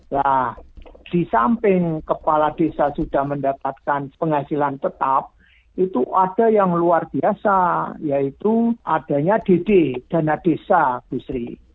nah di samping kepala desa sudah mendapatkan penghasilan tetap itu ada yang luar biasa yaitu adanya dd dana desa bu sri